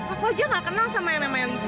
aku aja nggak kenal sama yang namanya livi